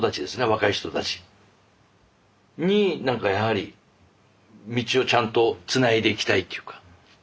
若い人たちに何かやはり道をちゃんとつないでいきたいっていうか。